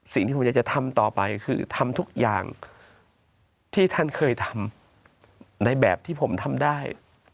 สิ่งที่ผมอยากจะทำต่อไปคือทำทุกอย่างที่ท่านเคยทำในแบบที่ผมทำได้